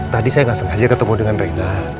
tadi saya gak sengaja ketemu dengan rena